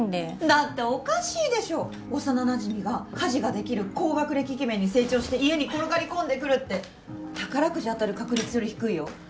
だっておかしいでしょ幼なじみが家事ができる高学歴イケメンに成長して家に転がり込んでくるって宝くじ当たる確率より低いよ